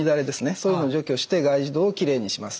そういうのを除去して外耳道をきれいにします。